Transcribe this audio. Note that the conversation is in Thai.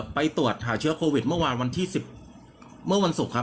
ไปตรวจหาเชื้อโควิดเมื่อวานวันที่๑๐เมื่อวันศุกร์ครับ